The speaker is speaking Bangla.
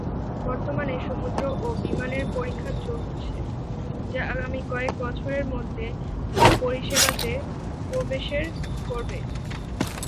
বর্তমানে সমুদ্র ও বিমানের পরিক্ষা চলছে, যা আগামী কয়েক বছরের মধ্যে নৌ পরিষেবাতে প্রবেশের করবে।